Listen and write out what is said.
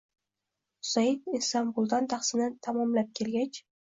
Husaynn Istambuldan tahsilni tamomlab kelgach